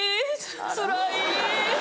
つらい。